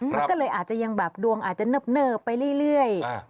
มันก็เลยอาจจะยังแบบดวงอาจจะเนิบไปเรื่อย